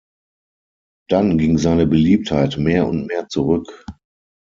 Dann ging seine Beliebtheit mehr und mehr zurück.